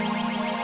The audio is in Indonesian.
aku nggak mau